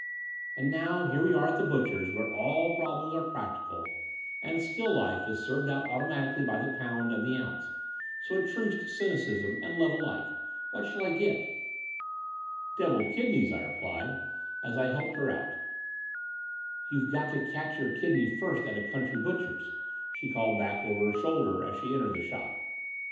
"And now here we are at the butcher's, where all problems are practical and still life is served out automatically by the potmd and the ounce: so a truce to cynicism and love alike. What shall I get?" "Devilled kidneys," I replied, as I hdped her out. "You've got to catch your kidney first at a xo 146 The Door of the Unreal country butcher's," she called back over her shoulder, as she entered the shop.